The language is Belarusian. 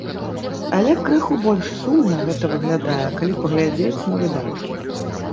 Але крыху больш сумна гэта выглядае, калі паглядзець на выдаткі.